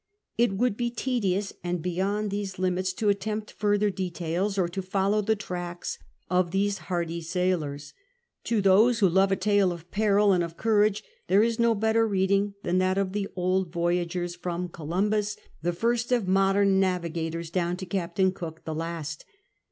It would be tedious and beyond these limits to attempt further details or to follow the tracks of these hardy sailors. To those who love a tale of peril and of courage, there is no better reading than that of the old voyagers from Columbus, 54 CAPTAIN COOK CHAP. the first of modern navigators, down to Captain Cook, the last.